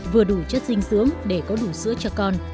vừa đủ chất dinh dưỡng để có đủ sữa cho con